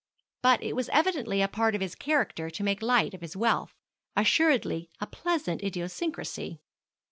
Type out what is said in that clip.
But it was evidently a part of his character to make light of his wealth; assuredly a pleasant idiosyncrasy.